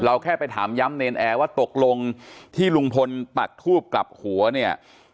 แค่ไปถามย้ำเนรนแอร์ว่าตกลงที่ลุงพลปักทูบกลับหัวเนี่ย